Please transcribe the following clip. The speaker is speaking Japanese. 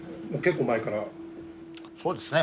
そうですね